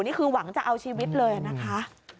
นี่คือหวังจะเอาชีวิตเลยนะคะ